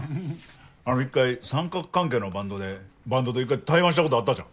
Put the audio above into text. あの一回三角関係のバンドでバンドと一回対バンしたことあったじゃん。